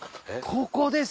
ここです！